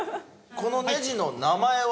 このネジの名前は？